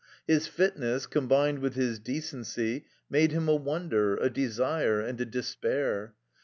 His fitness, combined with 'his decency, made him a wonder, a desire, and a despair.